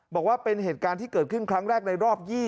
บอกว่าเป็นเหตุการณ์ที่เกิดขึ้นครั้งแรกในรอบ๒๐